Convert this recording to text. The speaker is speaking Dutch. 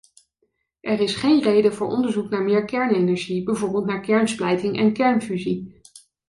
Er is geen reden voor onderzoek naar meer kernenergie, bijvoorbeeld naar kernsplijting en kernfusie.